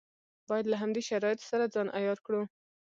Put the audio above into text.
باید له همدې شرایطو سره ځان عیار کړو.